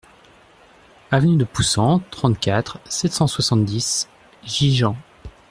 Avenue de Poussan, trente-quatre, sept cent soixante-dix Gigean